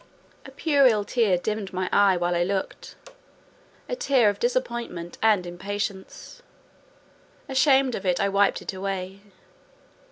A puerile tear dimmed my eye while I looked—a tear of disappointment and impatience; ashamed of it, I wiped it away.